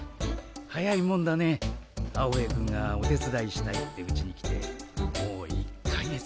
早いもんだねアオベエくんがお手伝いしたいってうちに来てもう１か月。